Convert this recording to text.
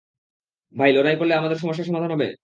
ভাই, লড়াই করলে আমাদের সমস্যার সমাধান হবে?